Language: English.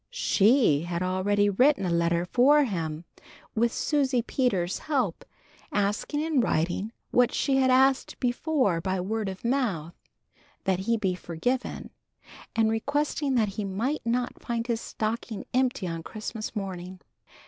She had already written a letter for him, with Susie Peters's help, asking in writing what she had asked before by word of mouth, that he be forgiven, and requesting that he might not find his stocking empty on Christmas morning.